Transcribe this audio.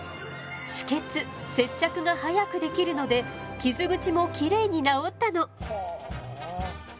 止血接着が早くできるので傷口もきれいに治ったの。